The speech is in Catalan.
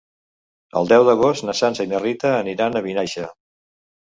El deu d'agost na Sança i na Rita aniran a Vinaixa.